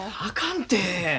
あかんて。